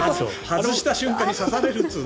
外した瞬間に刺されるって。